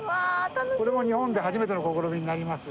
これも日本で初めての試みになります。